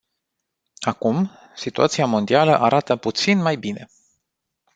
Acum, situația mondială arată puțin mai bine.